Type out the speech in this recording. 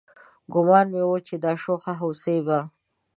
ګومان مې و چې دا شوخه هوسۍ به